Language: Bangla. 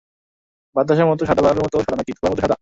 বাতাসের মতো সাদা, বালুর মতো সাদা নাকি, ধোঁয়ার মতো সাদা?